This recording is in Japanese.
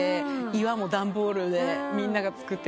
岩も段ボールでみんなが作ってくれて。